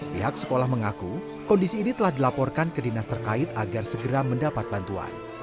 pihak sekolah mengaku kondisi ini telah dilaporkan ke dinas terkait agar segera mendapat bantuan